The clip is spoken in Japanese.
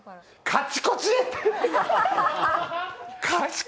かちこち！